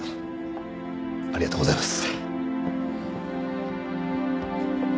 ありがとうございます。